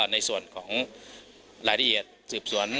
ในส่วนของรายละเอียดสืบสวน